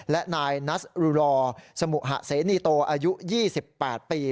และนายนัสรุรอสมุหะเสนีโตอายุ๒๘ปี